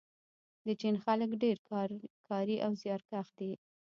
د چین خلک ډیر کاري او زیارکښ دي.